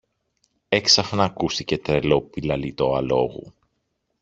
Έξαφνα ακούστηκε τρελό πηλαλητό αλόγου.